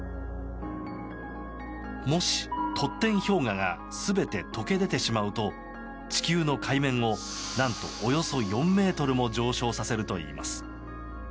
もし、トッテン氷河が全て解け出てしまうと地球の海面を何とおよそ４ｍも上昇させるといいます。